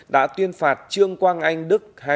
đã tuyên phạt trương quang anh đức